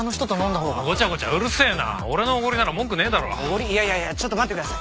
いやいやいやちょっと待ってください。